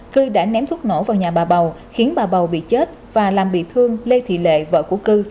cư đã ném thuốc nổ vào nhà bà bầu khiến bà bầu bị chết và làm bị thương lê thị lệ vợ của cư